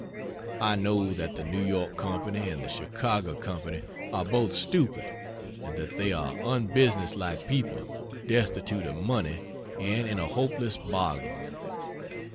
I know that the New York Co. and the Chicago Co. are both stupid, and that they are unbusinesslike people, destitute of money and in a hopeless boggle."